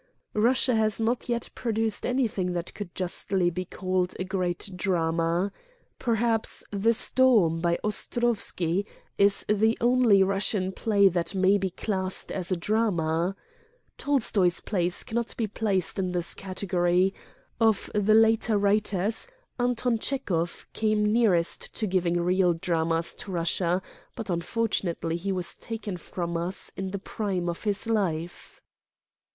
"Russia has not yet produced anything that could justly be called a great drama. Per haps "The Storm, ' by Ostrovsky, is the only Rus sian play that may be classed as a drama. Tol stoy's plays cannot be placed in this category. Of the later writers, Anton Chekhov came nearest to giving real dramas to Russia, but, unfortu nately, he was taken from us in the prime of hia life."